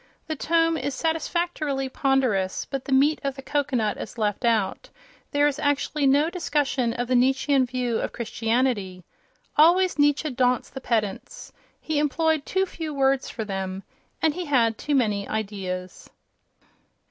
The tome is satisfactorily ponderous, but the meat of the cocoanut is left out: there is actually no discussion of the Nietzschean view of Christianity!... Always Nietzsche daunts the pedants. He employed too few words for them—and he had too many ideas.